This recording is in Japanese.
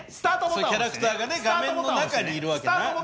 そういうキャラクターが画面の中にいるわけな。